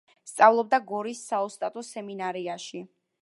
სწავლობდა გორის საოსტატო სემინარიაში.